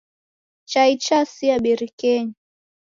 Chai chasia birikenyi.